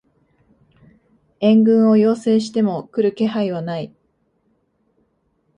援軍を要請しても来る気配はない